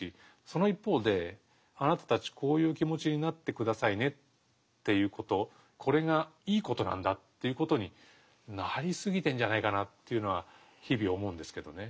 その一方で「あなたたちこういう気持ちになって下さいね」っていうことこれがいいことなんだっていうことになりすぎてんじゃないかなというのは日々思うんですけどね。